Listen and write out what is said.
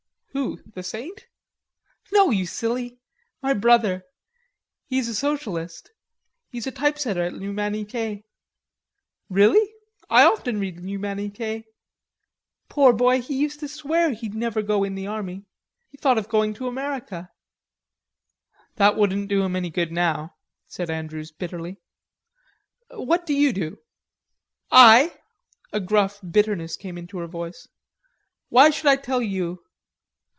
"Who? The saint?" "No, you silly my brother. He is a socialist. He's a typesetter at l'Humanite." "Really? I often read l'Humanite." "Poor boy, he used to swear he'd never go in the army. He thought of going to America." "That wouldn't do him any good now," said Andrews bitterly. "What do you do?" "I?" a gruff bitterness came into her voice. "Why should I tell you?